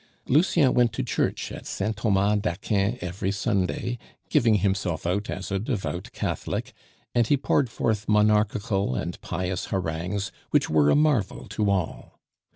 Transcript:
Lucien went to church at Saint Thomas d'Aquin every Sunday, giving himself out as a devout Catholic, and he poured forth monarchical and pious harangues which were a marvel to all.